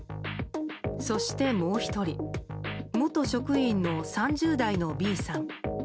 そして、もう１人元職員の３０代のＢさん。